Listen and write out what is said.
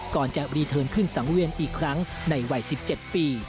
ก่อนจะรีเทิร์นขึ้นสังเวียนอีกครั้งในวัย๑๗ปี